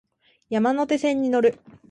山手線に乗る